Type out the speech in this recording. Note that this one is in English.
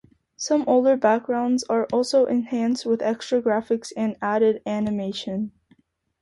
Some older backgrounds are also enhanced with extra graphics and added animation.